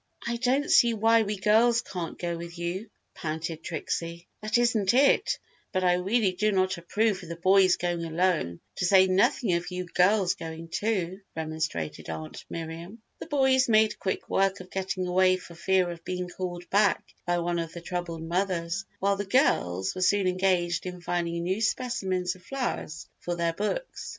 "I don't see why we girls can't go with you," pouted Trixie. "That isn't it, but I really do not approve of the boys going alone, to say nothing of you girls going too!" remonstrated Aunt Miriam. The boys made quick work of getting away for fear of being called back by one of the troubled mothers while the girls were soon engaged in finding new specimens of flowers for their books.